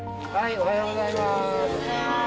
おはようございます。